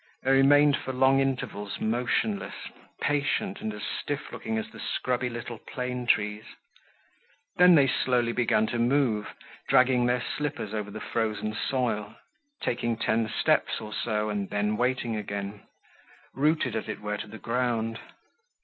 They remained for long intervals motionless, patient and as stiff looking as the scrubby little plane trees; then they slowly began to move, dragging their slippers over the frozen soil, taking ten steps or so and then waiting again, rooted as it were to the ground.